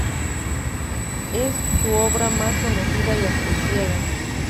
Es su obra más conocida y apreciada.